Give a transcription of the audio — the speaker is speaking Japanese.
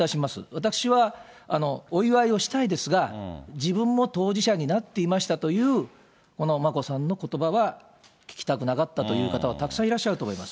私はお祝いをしたいですが、自分も当事者になっていましたという、この眞子さんのことばは、聞きたくなかったという方は、たくさんいらっしゃると思います。